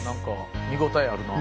見応えあるなあ。